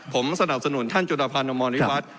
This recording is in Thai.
ผมสนับสนุนท่านจุดภัณฑ์อำนวณวิวัฒน์